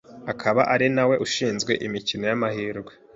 akaba ari nawe ushinzwe imikino y’amahirwe